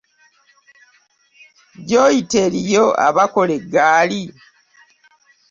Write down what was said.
Gyoyita eriyo abakola eggaali ?